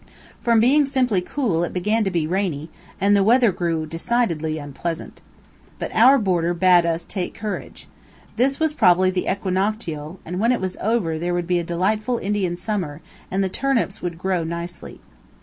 From being simply cool it began to be rainy, and the weather grew decidedly unpleasant. But our boarder bade us take courage. This was probably the "equinoctial," and when it was over there would be a delightful Indian summer, and the turnips would grow nicely.